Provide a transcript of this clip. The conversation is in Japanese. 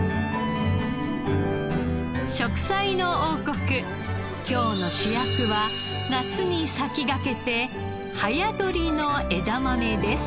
『食彩の王国』今日の主役は夏に先駆けて早採りの枝豆です。